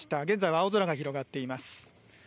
現在は青空が広がっています。